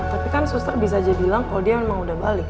tapi kan suster bisa aja bilang kalau dia memang udah balik